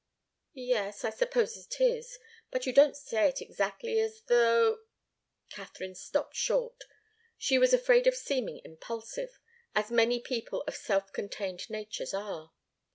"Yes I suppose it is. But you don't say it exactly as though " Katharine stopped short. She was afraid of seeming impulsive, as many people of self contained natures are.